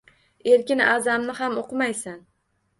Erkin Aʼzamni ham oʻqimaysan